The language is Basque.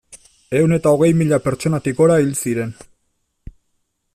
Ehun eta hogei mila pertsonatik gora hil ziren.